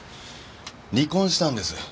離婚したんです。